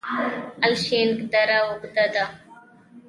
الیشنګ دره اوږده ده؟